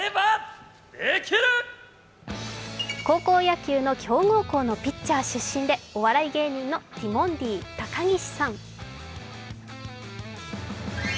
高校野球の強豪校のピッチャー出身でお笑い芸人のティモンディ高岸さん。